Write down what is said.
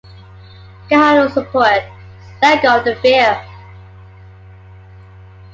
Get hold of a support - let go of the fear.